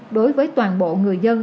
đối với toàn bộ người dân